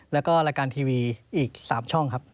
แล้วก็รายการทีวีอีก๓ช่องครับ